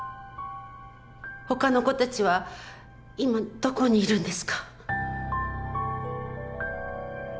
他の子達は今どこにいるんですか？